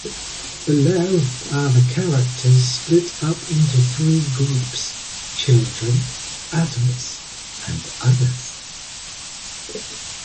Below are the characters split up into three groups, children, adults, and others.